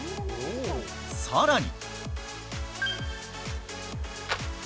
さらに。